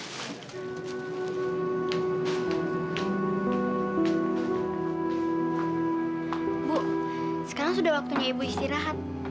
ibu sekarang sudah waktunya ibu istirahat